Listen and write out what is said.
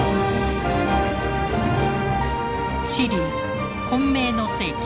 シリーズ「混迷の世紀」